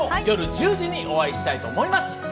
夜１０時にお会いしたいと思います。